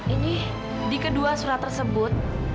ini di kedua surat tersebut